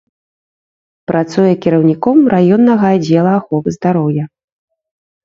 Працуе кіраўніком раённага аддзела аховы здароўя.